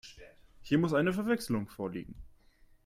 Hier muss eine Verwechslung vorliegen.